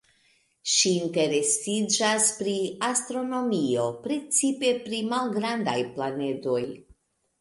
Ŝi interesiĝas pri astronomio, precipe pri malgrandaj planedoj.